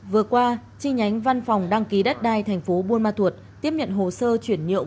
vừa qua chi nhánh văn phòng đăng ký đất đai tp bung ma thuật tiếp nhận hồ sơ chuyển nhượng